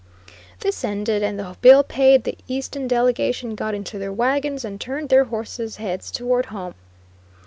This ended, and the bill paid, the Easton delegation got into their wagons and turned their horses heads towards home.